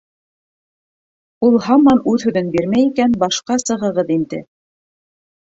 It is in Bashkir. Ул һаман үҙ һүҙен бирмәй икән, башҡа сығығыҙ инде.